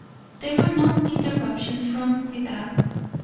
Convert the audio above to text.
There were no interruptions from without.